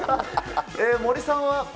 森さんは？